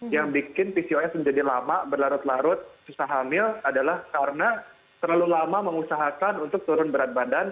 yang bikin pcos menjadi lama berlarut larut susah hamil adalah karena terlalu lama mengusahakan untuk turun berat badan